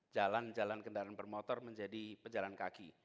jalan jalan kendaraan bermotor menjadi pejalan kaki